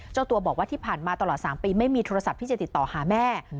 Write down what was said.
เจ้าตัวบอกว่าที่ผ่านมาตลอด๓ปีไม่มีโทรศัพท์ที่จะติดต่อหาแม่